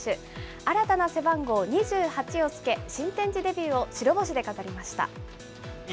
新たな背番号、２８を付け、新天地デビューを白星で飾りました。